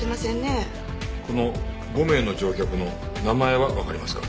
この５名の乗客の名前はわかりますか？